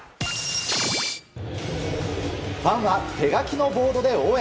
ファンが手書きのボードで応援。